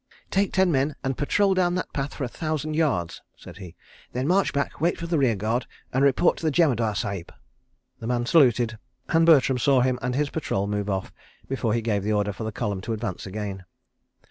"Take ten men and patrol down that path for a thousand yards," said he. "Then march back, wait for the rear guard, and report to the Jemadar Sahib." The man saluted, and Bertram saw him and his patrol move off, before he gave the order for the column to advance again.